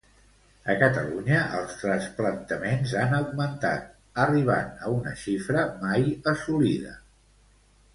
A Catalunya, els trasplantaments han augmentat, arribant a una xifra mai assolida.